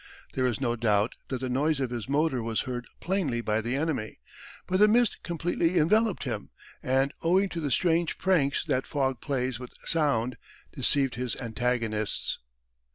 There is no doubt that the noise of his motor was heard plainly by the enemy, but the mist completely enveloped him, and owing to the strange pranks that fog plays with sound deceived his antagonists.